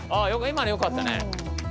今のよかったね。